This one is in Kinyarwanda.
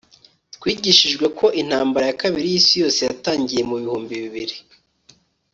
Twigishijwe ko Intambara ya Kabiri yIsi Yose yatangiye mu bihumbi bibiri